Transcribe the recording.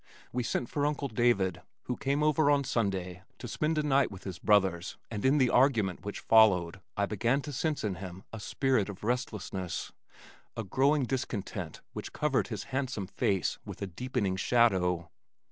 We sent for Uncle David who came over on Sunday to spend a night with his brothers and in the argument which followed, I began to sense in him a spirit of restlessness, a growing discontent which covered his handsome face with a deepening shadow.